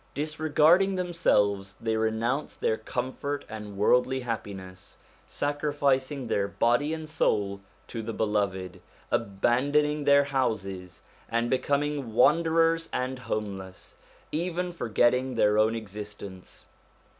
Disregarding themselves, they renounced their comfort and worldly happiness, sacrificing their body and soul to the Beloved, abandoning their houses, and becoming wanderers and homeless, even forgetting their own existence.